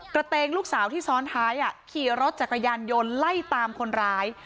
เตงลูกสาวที่ซ้อนท้ายขี่รถจักรยานยนต์ไล่ตามคนร้าย